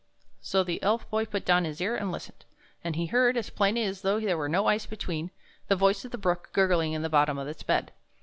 So the Elf Boy put down his ear and listened; and he heard, as plainly as though there were no ice between, the voice of the brook gurgling in the bottom of its bed.